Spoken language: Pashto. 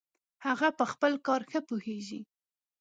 هغه په خپل کار ښه پوهیږي